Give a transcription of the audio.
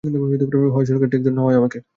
হয় সরকারকে ট্যাক্স দাও না হয় আমাকে।